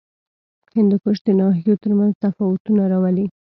هندوکش د ناحیو ترمنځ تفاوتونه راولي.